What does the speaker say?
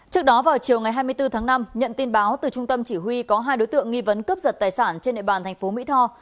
trước đó vào chiều ngày hai mươi bốn tháng năm nhận tin báo từ trung tâm chỉ huy có hai đối tượng nghi vấn cướp giật tài sản trên địa bàn thành phố mỹ tho